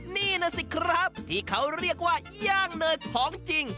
นี่นะสิครับที่เขาเรียกว่าย่างเนยของจริง